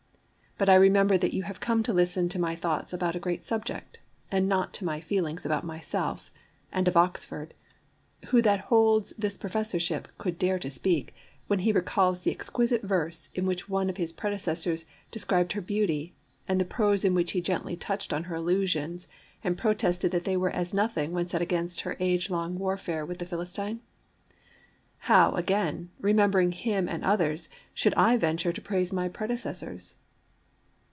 But I remember that you have come to listen to my thoughts about a great subject, and not to my feelings about myself; and, of Oxford, who that holds this Professorship could dare to speak, when he recalls the exquisite verse in which one of his predecessors described her beauty, and the prose in which he gently touched on her illusions and protested that they were as nothing when set against her age long warfare with the Philistine? How, again, remembering him and others, should I venture to praise my predecessors?